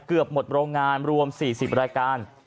เกือบหมดโรงงานรวม๔๐รายการ